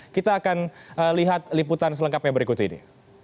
kita akan lihat liputan selengkapnya berikut ini